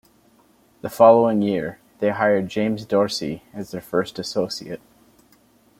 The following year, they hired James Dorsey as their first associate.